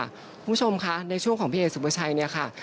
คุณผู้ชมคะในช่วงของพี่เอกสุภาชัยเนี่ยค่ะ